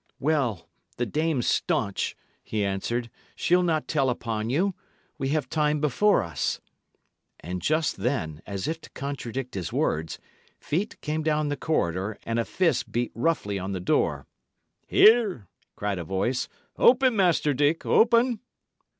"Well, the dame's staunch," he answered; "she'll not tell upon you. We have time before us." And just then, as if to contradict his words, feet came down the corridor, and a fist beat roughly on the door. "Here!" cried a voice. "Open, Master Dick; open!"